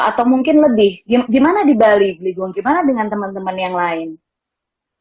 atau mungkin lebih gimana di bali beli gong gimana dengan teman teman yang lain